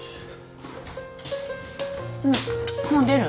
んもう出る？